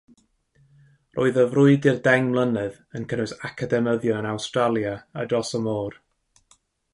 Roedd y frwydr deng mlynedd yn cynnwys academyddion yn Awstralia a dros y môr.